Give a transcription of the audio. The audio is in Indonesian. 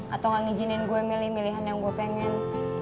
atau gak ngizinin gue milih milihan yang gue pengen